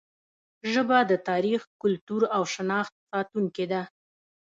ژبه د تاریخ، کلتور او شناخت ساتونکې ده.